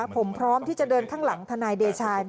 ผมพร้อมที่จะเดินข้างหลังทนายเดชา